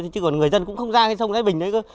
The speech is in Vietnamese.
chứ còn người dân cũng không ra cái sông thái bình đấy cơ